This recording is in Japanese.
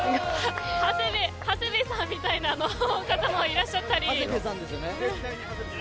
長谷部さんみたいな方もいらっしゃったり。